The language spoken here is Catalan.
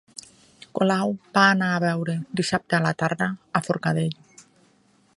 Colau va anar a veure dissabte a la tarda a Forcadell